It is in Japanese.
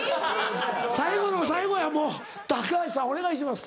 最後の最後やもう橋さんお願いします。